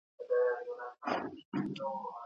جغرافیه او سیمه کي راڅرګند سوي دي، د بشریت د